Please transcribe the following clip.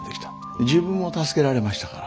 で自分も助けられましたから。